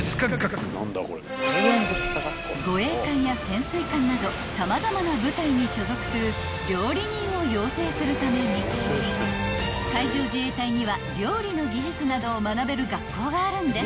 ［護衛艦や潜水艦など様々な部隊に所属する料理人を養成するために海上自衛隊には料理の技術などを学べる学校があるんです］